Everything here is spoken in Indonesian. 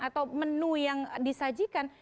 atau menu yang disajikan